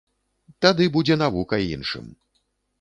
Тады будзе навука іншым.